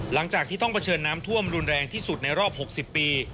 หลังจากที่ต้องเผชิญน้ำท่วมรุนแรงที่สุดในรอบ๖๐ปี